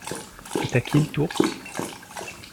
C'est à qui le tour ?